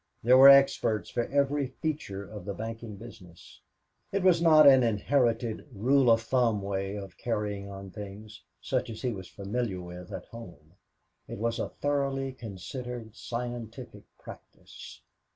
There were experts for every feature of the banking business. It was not an inherited rule of thumb way of carrying on things, such as he was familiar with at home; it was a thoroughly considered, scientific practice.